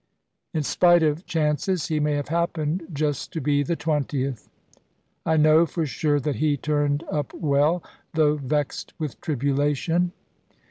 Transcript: In spite of chances, he may have happened just to be the twentieth. I know for sure that he turned up well, though vexed with tribulation.